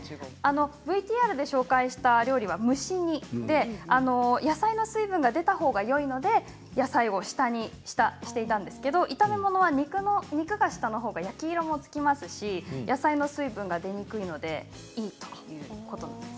ＶＴＲで紹介した料理は蒸し煮で野菜の水分が出たほうがいいので野菜を下にしていたんですけれども、炒め物は肉が下のほうが焼き色もつきますし野菜の水分が出にくいのでいいということです。